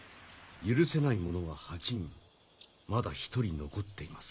「許せない者が８人まだ１人残っています」。